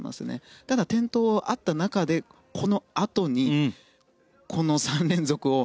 ただ、転倒はあった中でこのあとに３連続を